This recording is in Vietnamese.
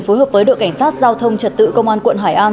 phối hợp với đội cảnh sát giao thông trật tự công an quận hải an